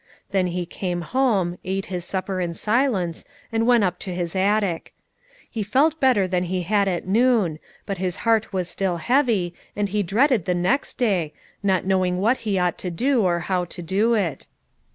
Then he came home, ate his supper in silence, and went up to his attic. He felt better than he had at noon, but his heart was still heavy, and he dreaded the next day, not knowing what he ought to do, or how to do it.